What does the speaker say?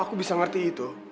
aku bisa ngerti itu